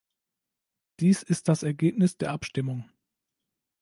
Dies ist das Ergebnis der Abstimmung.